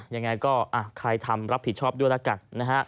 ยังไงก็ใครทำรับผิดชอบด้วยล่ะกัน